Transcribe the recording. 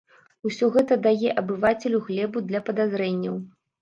Усё гэта дае абывацелю глебу для падазрэнняў.